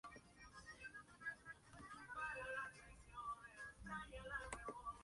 El mallorquín ha tenido un gran recorrido por varios clubes de la geografía europea.